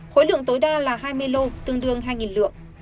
khối lượng tối đa là hai mươi lô tương đương hai lượng